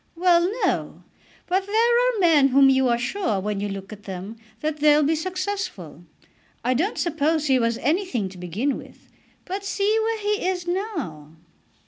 "Well; no; but there are men of whom you are sure, when you look at them, that they'll be successful. I don't suppose he was anything to begin with, but see where he is now!"